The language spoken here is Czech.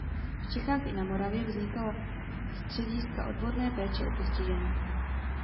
V Čechách i na Moravě vznikala střediska odborné péče o postižené.